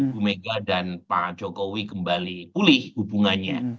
bu mega dan pak jokowi kembali pulih hubungannya